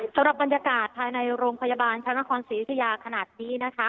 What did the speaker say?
สำหรับบรรยากาศภายในโรงพยาบาลชนครศรีวิทยาตอนนี้